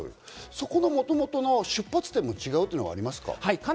そこがもともとの出発点の違いというのはありますか？